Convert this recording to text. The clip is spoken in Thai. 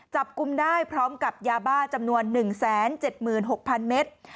จับกลุ่มได้พร้อมกับยาบ้าจำนวน๑๗๖๐๐๐เมตร